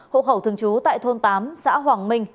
hộ khẩu thường trú tại thôn tám xã hoàng minh